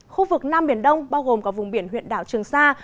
khu vực nam biển đông bao gồm có vùng biển huyện đảo trường sa